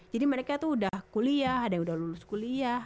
jadi mereka tuh udah kuliah ada yang udah lulus kuliah